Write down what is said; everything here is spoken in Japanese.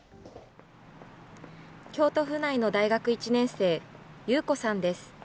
京都府内の大学１年生、ユウコさんです。